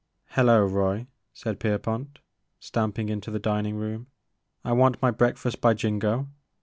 " Hello, Roy," said Pierpont, stamping into the dining room, '* I want iny breakfast by jingo